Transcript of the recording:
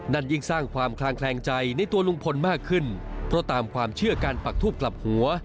นั่นยิ่งสร้างความคลางแคลงใจในตัวลุงพลมากขึ้นเพราะตามความเชื่อการปักทูบกลับหัว